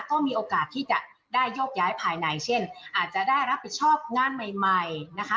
ก็มีโอกาสที่จะได้โยกย้ายภายในเช่นอาจจะได้รับผิดชอบงานใหม่นะคะ